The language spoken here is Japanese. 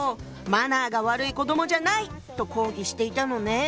「マナーが悪い子どもじゃない！」と抗議していたのね。